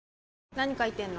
何書いてんの？